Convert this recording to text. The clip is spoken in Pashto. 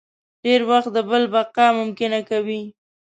ډېری وخت د بل بقا ممکنه کوي.